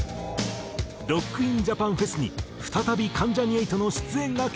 「ＲＯＣＫＩＮＪＡＰＡＮＦＥＳ」に再び関ジャニ∞の出演が決定！